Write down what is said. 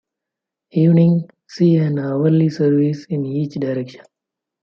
Evenings see an hourly service in each direction.